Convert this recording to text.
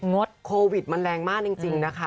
ดโควิดมันแรงมากจริงนะคะ